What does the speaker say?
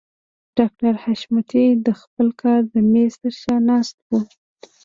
ډاکټر حشمتي د خپل کار د مېز تر شا ناست و.